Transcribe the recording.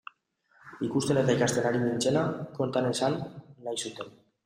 Ikusten eta ikasten ari nintzena konta nezan nahi zuten.